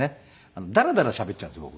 ダラダラしゃべっちゃうんですよ